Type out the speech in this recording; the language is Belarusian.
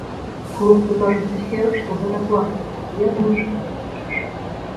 Хлопцы кажуць усе, што гэта класна, але я думаю, што гэта трэш.